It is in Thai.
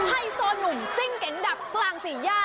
ไฮโซหนุ่มซิ่งเก๋งดับกลางสี่ย่า